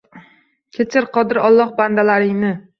Kechir, Qodir Alloh, bandalaringni